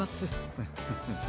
ウフフフ。